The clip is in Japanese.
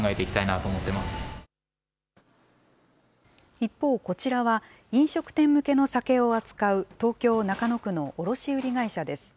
一方、こちらは飲食店向けの酒を扱う東京・中野区の卸売り会社です。